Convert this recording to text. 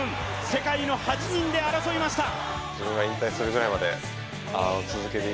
世界の８人で争いました。